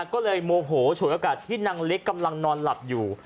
ก็เลยโมโหฉวยโอกาสที่นางเล็กกำลังนอนหลับอยู่